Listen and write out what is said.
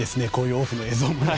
オフの映像もね。